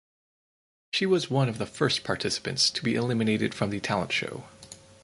She was one of first participants to be eliminated from the talent show.